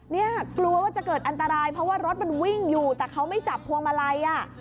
เนี่ยกลัวว่าจะเกิดอันตรายเพราะว่ารถมันวิ่งอยู่แต่เขาไม่จับพวงมาลัยอ่ะ